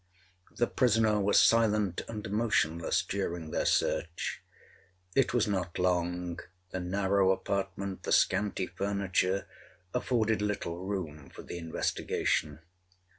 The prisoner was silent and motionless during their search. It was not long—the narrow apartment, the scanty furniture, afforded little room for the investigation.